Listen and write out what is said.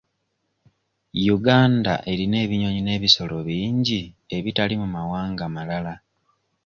Uganda erina ebinyonyi n'ebisolo bingi ebitali mu mawanga malala.